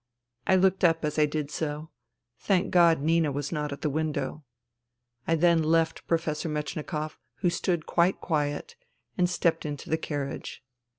I looked up as I did so. Thank God, Nina was not at the window. I then left Professor Metchnikoff, who stood quite quiet, and stepped into the carriage.